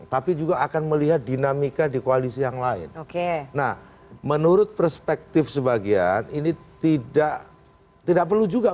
tidak di koalisi yang lain oke nah menurut perspektif sebagian ini tidak tidak perlu juga